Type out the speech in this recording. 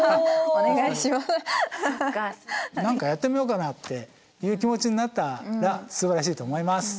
何かやってみようかなっていう気持ちになったらすばらしいと思います。